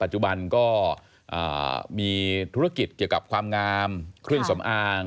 จุบันก็มีธุรกิจเกี่ยวกับความงามเครื่องสำอาง